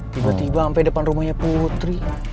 tiba tiba sampai depan rumahnya putri